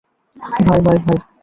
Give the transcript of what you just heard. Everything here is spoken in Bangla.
ভাই, ভাই, ভাই!